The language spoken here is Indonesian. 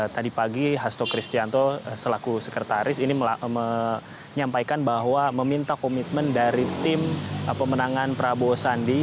tadi pagi hasto kristianto selaku sekretaris ini menyampaikan bahwa meminta komitmen dari tim pemenangan prabowo sandi